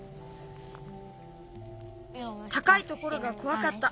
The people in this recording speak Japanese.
たかいところがこわかった。